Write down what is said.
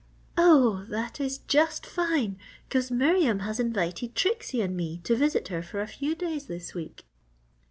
"Oh, that is just fine, 'cause Miriam has invited Trixie and me to visit her for a few days this week."